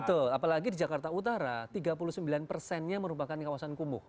betul apalagi di jakarta utara tiga puluh sembilan persennya merupakan kawasan kumuh